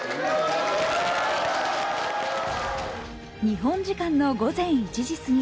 日本時間の午前１時過ぎ。